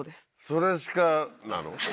それしかなの？